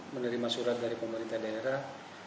menerima surat dari pemerintah daerah